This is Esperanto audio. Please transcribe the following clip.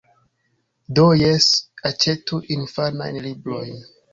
Do, jes. Aĉetu infanajn librojn.